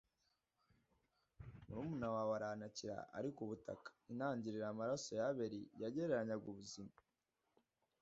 murumuna wawe arantakira ari ku butaka Intangiriro Amaraso ya Abeli yagereranyaga ubuzima